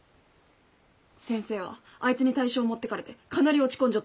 先生はあいつに大賞持ってかれてかなり落ち込んじょ